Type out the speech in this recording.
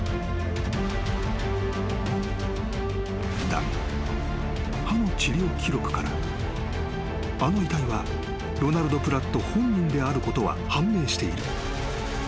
［だが歯の治療記録からあの遺体はロナルド・プラット本人であることは判明している］